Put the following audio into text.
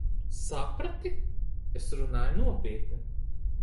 Saprati? Es runāju nopietni.